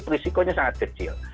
jadi risikonya sangat kecil